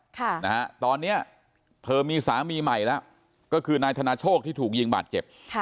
ตอนนี้เธอมีสามีใหม่แล้วก็คือนายธนโชคที่ถูกยิงบาดเจ็บ